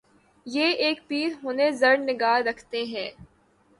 یہ ایک پیر ہنِ زر نگار رکھتے ہیں